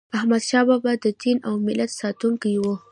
احمدشاه بابا د دین او ملت ساتونکی و.